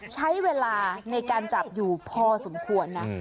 ใช้เวลาในการจับอยู่พอสมควรนะ